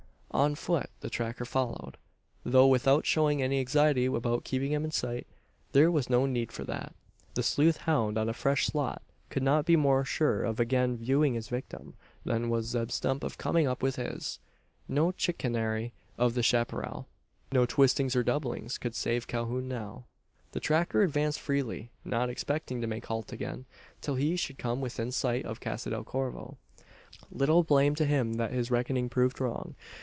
On foot the tracker followed; though without showing any anxiety about keeping him in sight. There was no need for that. The sleuth hound on a fresh slot could not be more sure of again viewing his victim, than was Zeb Stump of coming up with his. No chicanery of the chapparal no twistings or doublings could save Calhoun now. The tracker advanced freely; not expecting to make halt again, till he should come within sight of Casa del Corvo. Little blame to him that his reckoning proved wrong.